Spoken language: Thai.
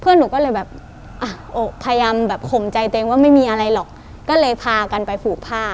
หนูก็เลยแบบอ่ะพยายามแบบข่มใจตัวเองว่าไม่มีอะไรหรอกก็เลยพากันไปผูกผ้า